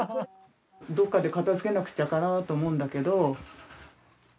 どっかで片づけなくちゃかなと思うんだけど。